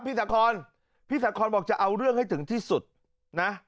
สาคอนพี่สาคอนบอกจะเอาเรื่องให้ถึงที่สุดนะ